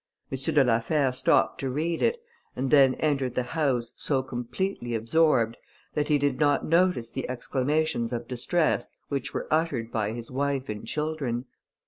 M. de la Fère stopped to read it, and then entered the house, so completely absorbed, that he did not notice the exclamations of distress which were uttered by his wife and children.